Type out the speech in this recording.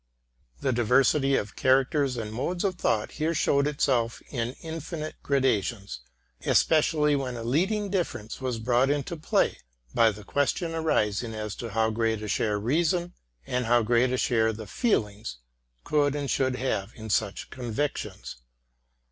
The diversity of characters and modes of thought here showed itself in infinite gradations, especially when a leading difference was brought into play by the question arising as to how great a share reason, and how great a share the feelings, could and should have in such convictions.